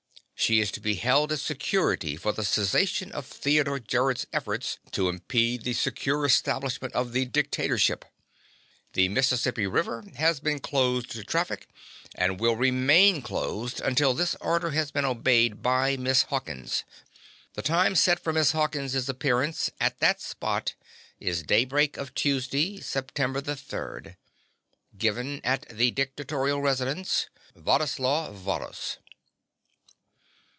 She is to be held as security for the cessation of Theodore Gerrod's efforts to impede the secure establishment of the dictatorship. The Mississippi River has been closed to traffic, and will remain closed until this order has been obeyed by Miss Hawkins. The time set for Miss Hawkins' appearance at that spot is daybreak of Tuesday, September the third. Given at the dictatorial residence. WLADISLAW VARRHUS.